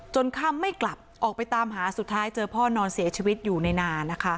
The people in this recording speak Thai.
ค่ำไม่กลับออกไปตามหาสุดท้ายเจอพ่อนอนเสียชีวิตอยู่ในนานะคะ